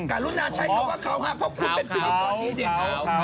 การรุ่นน่าใช้คำว่าเขาฮะเพราะคุณเป็นผู้หญิงต่อดีเดียว